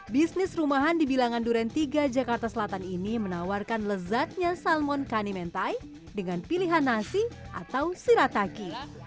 bisnis rumahan di bilangan duren tiga jakarta selatan ini menawarkan lezatnya salmon kani mentai dengan pilihan nasi atau sirataki